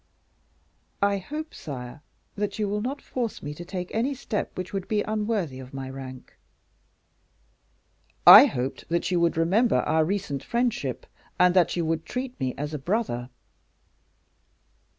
"I hope, sire, that you will not force me to take any step which would be unworthy of my rank." "I hoped that you would remember our recent friendship, and that you would treat me as a brother."